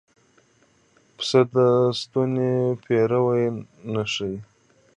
پسه د سنتو پیروي ښيي.